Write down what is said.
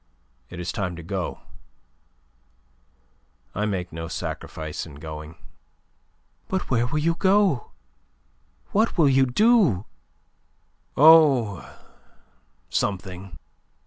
It is time to go. I make no sacrifice in going." "But where will you go? What will you do?" "Oh, something.